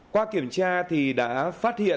qua kiểm tra thì đã phát triển